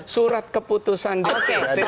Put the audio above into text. surat keputusan dct